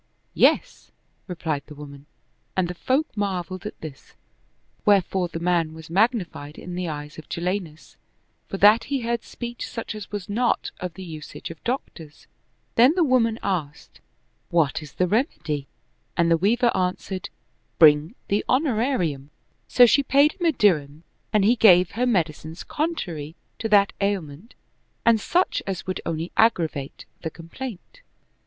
"Yes," replied the woman, and the folk marveled at this ; wherefore the man was magnified in the eyes of Jalinus, for that he heard speech such as was not of the usage of doctors. Then the woman asked, " What is the remedy ?" and the Weaver 47 Oriental Mystery Stories answered, "Bring the honorarium." So she paid him a dirham and he gave her medicines contrary to that ail ment and such as would only aggravate the complaint.